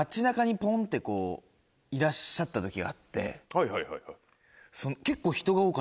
はいはいはいはい。